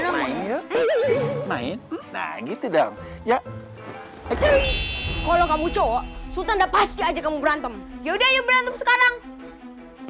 main main nah gitu dong ya kalau kamu cowok sudah pasti aja kamu berantem yuk berantem sekarang